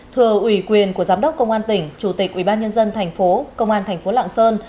thừa ủy quyền của giám đốc công an tỉnh chủ tịch ubnd tp công an tp lạng sơn